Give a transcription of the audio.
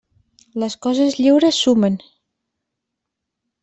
Les coses lliures sumen.